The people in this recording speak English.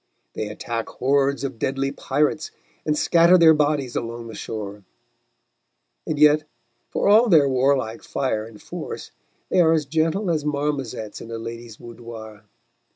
They attack hordes of deadly pirates, and scatter their bodies along the shore; and yet, for all their warlike fire and force, they are as gentle as marmozets in a lady's boudoir.